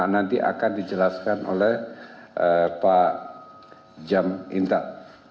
nanti akan dijelaskan oleh pak jam intak